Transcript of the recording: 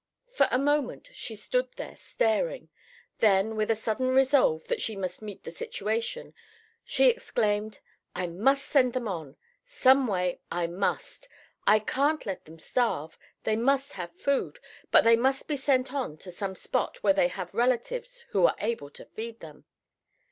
For a moment she stood there staring; then with a sudden resolve that she must meet the situation, she exclaimed: "I must send them on. Some way, I must. I can't let them starve. They must have food, but they must be sent on to some spot where they have relatives who are able to feed them.